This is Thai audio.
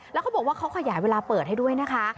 แล้วเขาบอกว่าเขาขยายเวลาเปิดให้ด้วยนะคะ